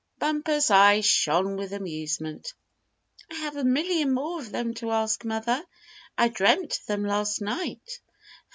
Bumper's eyes shone with amusement. "I have a million more of them to ask, mother. I dreamt of them last night."